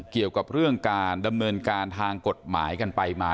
เกี่ยวกับเรื่องการดำเนินการทางกฎหมายกันไปมา